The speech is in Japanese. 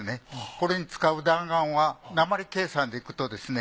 これに使う弾丸は鉛計算でいくとですね